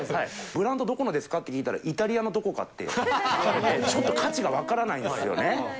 ブランド、どこのですか？って聞いたら、イタリアのどこかって言われて、ちょっと価値が分からないんですよね。